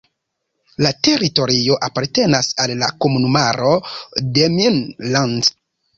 La teritorio apartenas al la komunumaro "Demmin-Land".